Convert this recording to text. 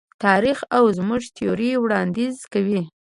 تاریخ او زموږ تیوري وړاندیز کوي.